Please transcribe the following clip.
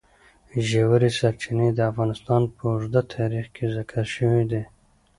ژورې سرچینې د افغانستان په اوږده تاریخ کې ذکر شوی دی.